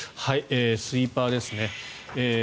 スイーパーですね。